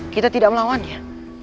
kita tidak melawannya